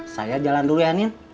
saya jalan dulu ya nih